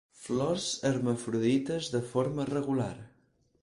Flors hermafrodites de forma regular.